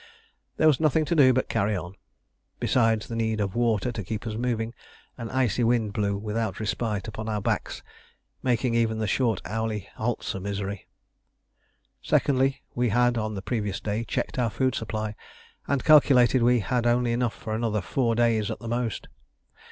There was nothing to do but carry on. Besides the need of water to keep us moving, an icy wind blew without respite upon our backs, making even the short hourly halts a misery. Secondly, we had on the previous day checked our food supply, and calculated we had only enough for another four days at the most.